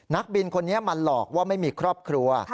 นักบินคนนี้มาหลอกว่าไม่มีครอบครัว